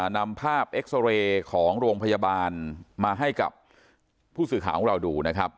นำภาพเอ็กซอเรย์ของโรงพยาบาลมาให้กับผู้สื่อข่าวของเราดูนะครับ